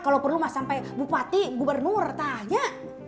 kalau perlu mas sampai bupati gubernur tanya